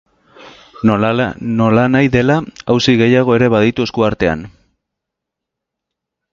Nolanahi dela, auzi gehiago ere baditu esku artean.